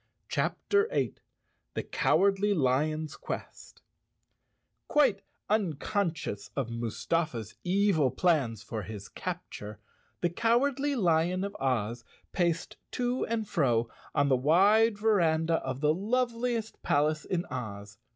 CHAPTER 8 The Cowardly Lion's Quest Q UITE unconscious of Mustafa's evil plans for his capture, the Cowardly Lion of Oz paced to and fro on the wide veranda of the loveliest palace in Oz.